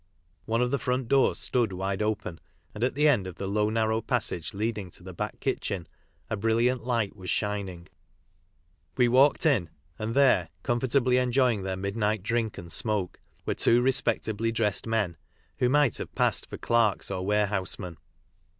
One of the front doors stood wide open, and at the end of the low narrow passage leading to the back kitchen a brilliant light was shining. We walked jn, and there, comfortably enjoying their midnight drink and smoke, were two respectably dressed men, who might have passed for clerks or warehousemen.